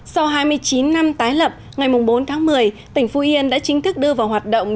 sau hai mươi chín năm tái lập ngày bốn tháng một mươi tỉnh phú yên đã chính thức đưa vào hoạt động